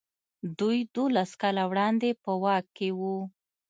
دوی دولس کاله وړاندې په واک کې وو.